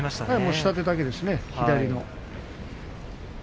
下手だけですね、左の。